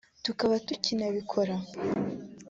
tukaba tukinabikora